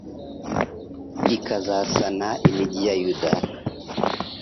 ikazasana imigi ya Yuda